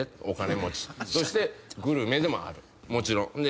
お金持ち」「そしてグルメでもあるもちろん。